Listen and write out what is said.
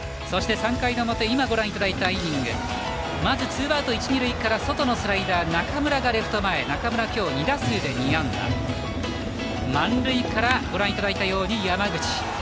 ３回の表、今ご覧いただいたイニングツーアウト一、二塁から外のスライダーを中村がレフト前へ中村２打数２安打満塁からご覧いただいたように山口。